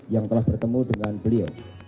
yang telah bertemu dengan beliau